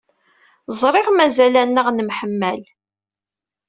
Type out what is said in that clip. Ẓriɣ mazal-aneɣ nemḥemmal.